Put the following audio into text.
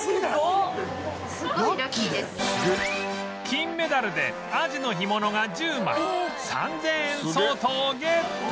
金メダルでアジの干物が１０枚３０００円相当をゲット！